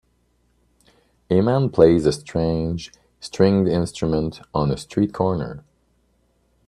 A man plays a strange stringed instrument on a street corner.